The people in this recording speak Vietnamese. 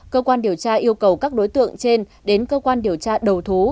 cơ quan điều tra yêu cầu các đối tượng trên đến cơ quan điều tra đầu thú